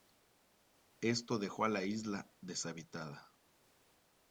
Esto dejó a la isla deshabitada.